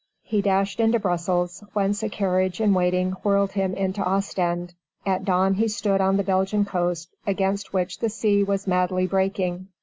He dashed into Brussels, whence a carriage in waiting whirled him into Ostend. At dawn he stood on the Belgian coast, against which the sea was madly breaking.